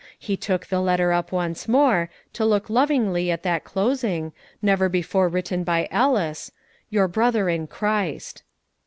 He took the letter up once more, to look lovingly at that closing, never before written by Ellis, "Your brother in Christ."